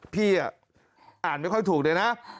พี่อ่ะอ่านไม่ค่อยถูกดีนะ